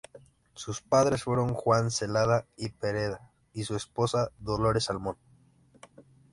Sus padres fueron Juan Celada y Pereda y su esposa, Dolores Salmón.